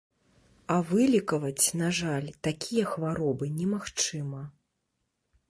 А вылекаваць, на жаль, такія хваробы немагчыма.